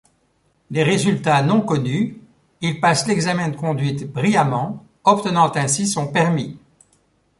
Les résultats non connus, il passe l'examen de conduite brillamment, obtenant ainsi son permis.